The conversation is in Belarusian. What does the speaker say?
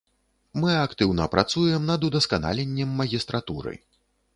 Мы актыўна працуем над удасканаленнем магістратуры.